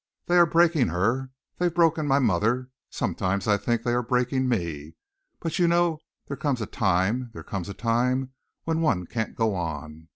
They are breaking her. They've broken my mother. Sometimes I think they are breaking me. But, you know, there comes a time there comes a time when one can't go on.